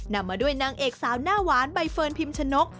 นำมาด้วยนางเอกสาวหน้าหวานใบเฟิร์นพิมชนก